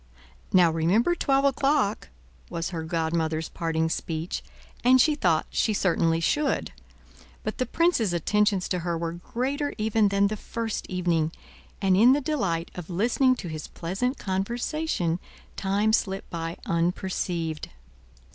"Now remember twelve o'clock," was her godmother's parting speech; and she thought she certainly should. But the prince's attentions to her were greater even than the first evening, and in the delight of listening to his pleasant conversation, time slipped by unperceived.